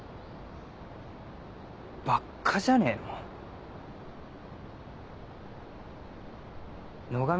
ばっかじゃねえの！